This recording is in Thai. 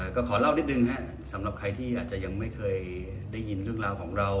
ก็ขอเล่านิดนึงครับสำหรับใครที่อาจจะยังไม่เคยได้ยินเรื่องราวของเรา